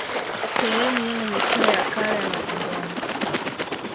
Sehemu yenye michoro ya kale ya mapangoni